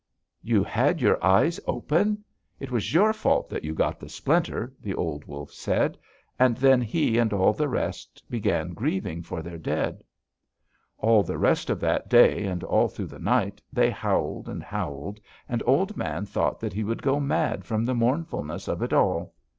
"'You had your eyes open! It was your fault that you got the splinter!' the old wolf said; and then he and all the rest began grieving for their dead. "All the rest of that day, and all through the night, they howled and howled, and Old Man thought that he would go mad from the mournfulness of it all.